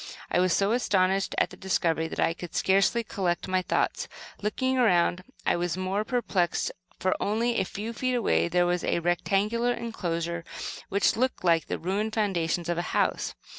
I was so astonished at the discovery that I could scarcely collect my thoughts. Looking around, I was still more perplexed, for only a few feet away there was a rectangular enclosure which looked like the ruined foundations of a house.